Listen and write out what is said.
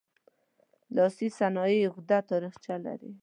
لاسي صنایع اوږده تاریخچه لري.